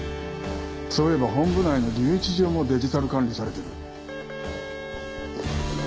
そういえば本部内の留置場もデジタル管理されてる。